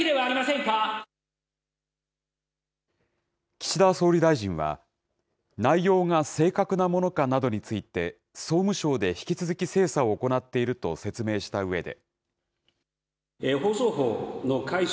岸田総理大臣は、内容が正確なものかなどについて、総務省で引き続き精査を行っていると説明したうえで。